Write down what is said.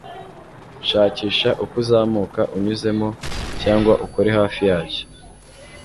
Shakisha uko uzamuka, unyuzemo, cyangwa ukore hafi yacyo.